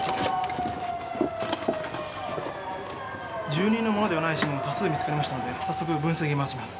住人のものではない指紋が多数見つかりましたので早速分析に回します。